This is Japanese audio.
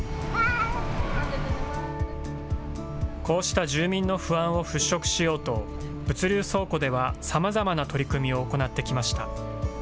こうした住民の不安を払拭しようと、物流倉庫では、さまざまな取り組みを行ってきました。